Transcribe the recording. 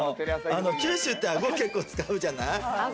九州ってあご結構使うじゃない？